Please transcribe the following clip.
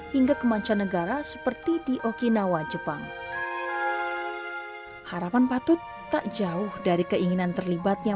hingga kemanca negara seperti di okinawa jepang harapan patut tak jauh dari keinginan terlibatnya